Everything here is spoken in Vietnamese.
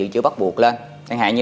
dự trị bắt buộc lên